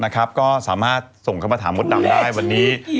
ก็สามารถส่งเข้ามาถามมดดำได้วันนี้